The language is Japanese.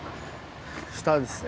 下ですね。